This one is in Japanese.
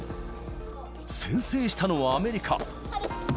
先制したのはアメリカ。